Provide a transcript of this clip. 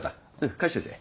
返しといて。